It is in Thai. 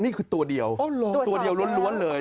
นี่คือตัวเดียวตัวเดียวล้วนเลย